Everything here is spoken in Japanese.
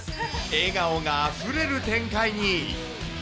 笑顔があふれる展開に。